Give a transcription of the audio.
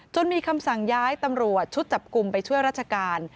มีคำสั่งย้ายตำรวจชุดจับกลุ่มไปช่วยราชการ